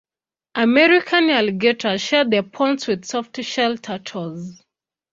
American alligators share the ponds with softshell turtles.